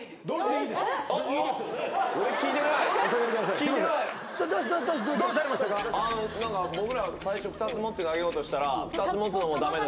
どうした？